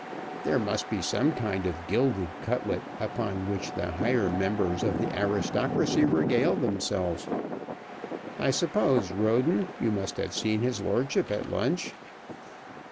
"There must be some kind of gilded cutlet, upon which the higher members of the aristocracy regale themselves. I suppose, Roden, you must have seen his lordship at lunch."